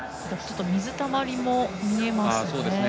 水たまりも見えますね。